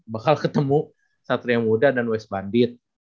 bakal ketemu satria muda dan west bandit